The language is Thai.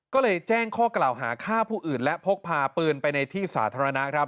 ก็เลยแจ้งข้อกล่าวหาฆ่าผู้อื่นและพกพาปืนไปในที่สาธารณะครับ